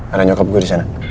ke rumah nyokap gue di sana